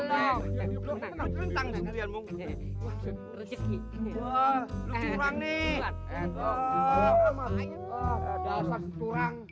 mau menang diri aja lu